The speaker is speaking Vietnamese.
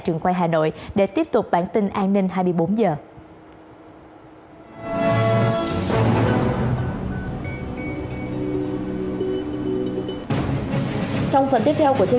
trường quay hà nội để tiếp tục bản tin an ninh hai mươi bốn h